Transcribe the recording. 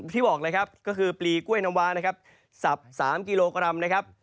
ที่บอกเลยครับก็คือปลีก้วยน้ำว้า๓กิโลกรัม